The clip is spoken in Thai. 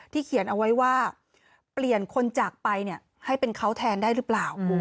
เขียนเอาไว้ว่าเปลี่ยนคนจากไปให้เป็นเขาแทนได้หรือเปล่า